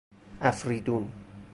افریدون